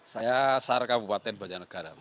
saya sar kabupaten banjarnegara